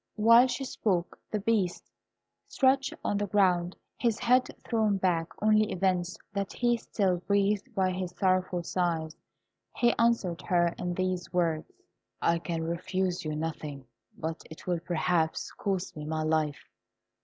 While she spoke the Beast stretched on the ground, his head thrown back, only evinced that he still breathed by his sorrowful sighs. He answered her in these words: "I can refuse you nothing; but it will perhaps cost me my life.